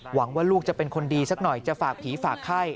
หวังว่าลูกจะเป็นคนดีสักหน่อยจะฝากผีฝากไข้